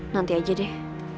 nanti aja deh